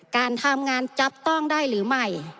การทำงานจับต้องได้หรือไม่